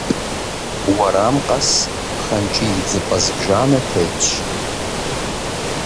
Уэрам къэс пхъэнкӏий идзыпӏэ зыбжанэ тетщ.